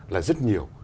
là rất nhiều